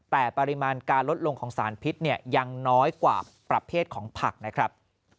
แต่ปริมาณการลดลงของสารพิษยังน้อยกว่าประเภทของผักนะครับ